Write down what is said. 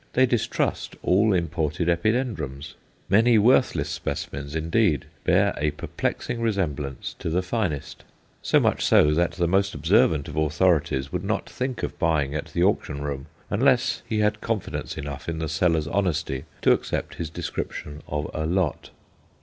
They distrust all imported Epidendrums. Many worthless species, indeed, bear a perplexing resemblance to the finest; so much so, that the most observant of authorities would not think of buying at the auction room unless he had confidence enough in the seller's honesty to accept his description of a "lot."